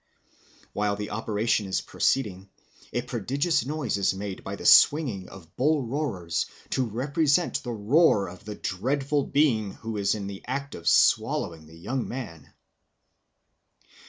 While the operation is proceeding, a prodigious noise is made by the swinging of bull roarers to represent the roar of the dreadful being who is in the act of swallowing the young man.